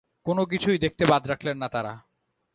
কোনোকিছুই দেখতে বাদ রাখলেন না তাঁরা।